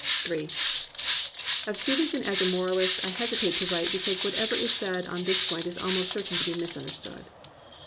Ill Of Stevenson as a moralist I hesitate to write because whatever is said on this point is almost certain to be misunderstood.